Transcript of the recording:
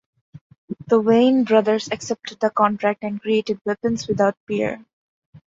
The Wayne brothers accepted the contract, and created weapons without peer.